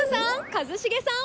一茂さん！